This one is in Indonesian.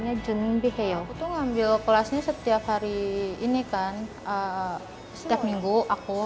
nyemikeyo tuh ngambil kelasnya setiap hari ini kan setiap minggu aku